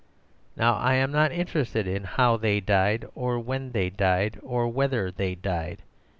Now I am not interested in how they died, or when they died, or whether they died.